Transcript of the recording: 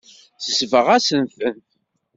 Tesbeɣ-asen-ten.